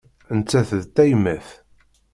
Nettat d tayemmat.